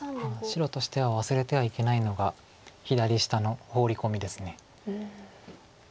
白としては忘れてはいけないのが左下のホウリコミです。